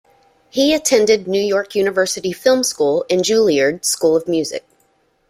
He attended New York University Film School and Juilliard School of Music.